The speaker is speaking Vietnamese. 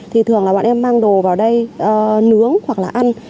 thì thường là bọn em mang đồ vào đây nướng hoặc là ăn